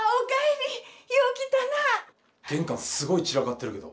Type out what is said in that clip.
玄関すごい散らかってるけど。